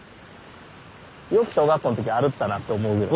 よく小学校の時歩いたなって思うぐらい。